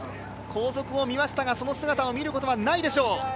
後続を見ましたがその姿を見ることはないでしょう。